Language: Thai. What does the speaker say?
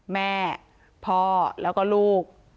แม่พ่อแล้วก็ลูก